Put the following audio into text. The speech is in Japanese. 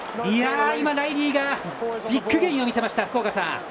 今、ライリーがビッグゲインを見せました、福岡さん。